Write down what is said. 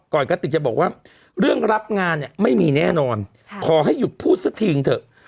กระติกจะบอกว่าเรื่องรับงานเนี่ยไม่มีแน่นอนขอให้หยุดพูดสักทีนึงเถอะ